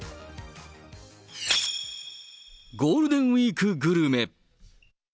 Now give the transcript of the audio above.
ゴールデンウィークグルメ。